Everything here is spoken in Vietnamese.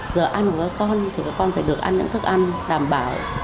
giờ ăn của các con thì các con phải được ăn những thức ăn đảm bảo